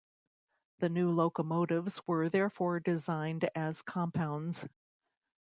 The new locomotives were therefore designed as compounds.